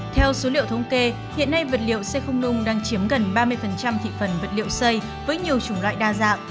theo số liệu thống kê hiện nay vật liệu xây không nung đang chiếm gần ba mươi thị phần vật liệu xây với nhiều chủng loại đa dạng